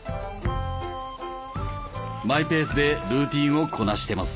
マイペースでルーティンをこなしてます。